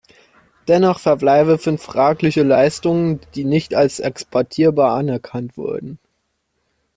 Dennoch verbleiben fünf fragliche Leistungen, die nicht als exportierbar anerkannt wurden.